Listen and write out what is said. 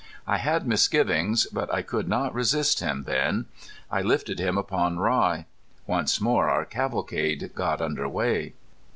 I had misgivings, but I could not resist him then. I lifted him upon Rye. Once more our cavalcade got under way.